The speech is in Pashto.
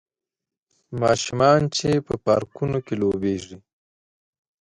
ماشومان چې په پارکونو کې لوبیږي